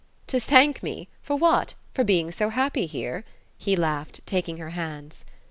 "To thank me? For what? For being so happy here?" he laughed, taking her hands.